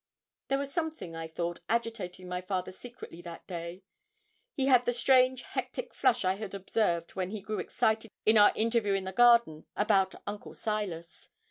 There was something, I thought, agitating my father secretly that day. He had the strange hectic flush I had observed when he grew excited in our interview in the garden about Uncle Silas.